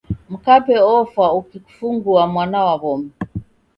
Mkape ofwa ukikufungua mwana wa w'omi.